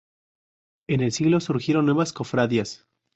En el siglo surgieron nuevas cofradías.